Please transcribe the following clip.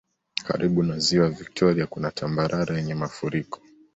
Karibu na Ziwa viktoria kuna tambarare yenye mafuriko